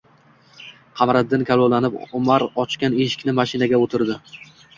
Qamariddin kalovlanib Umar ochgan eshikdan mashinaga o‘tirdi